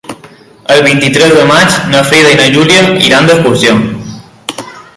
El vint-i-tres de maig na Frida i na Júlia iran d'excursió.